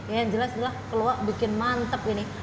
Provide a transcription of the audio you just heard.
yang jelas keluak bikin mantep ini